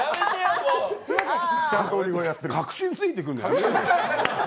核心ついてくるんだよ。